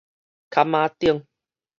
崁仔頂